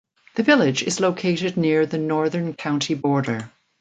The village is located near the northern county border.